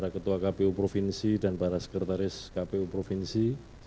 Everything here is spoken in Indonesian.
ketua kpu provinsi dan para sekretaris kpu provinsi